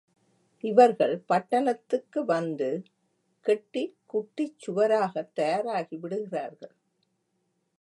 இவர்கள் பட்டணத்துக்கு வந்து கெட்டி குட்டிச் சுவராகத் தயாராகி விடுகிறார்கள்.